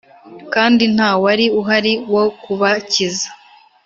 kandi nta wari uhari wo kubakiza.